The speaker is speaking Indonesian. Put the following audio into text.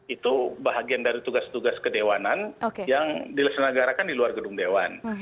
itu bahagian dari tugas tugas kedewanan yang diselesanagarakan di luar gedung dewan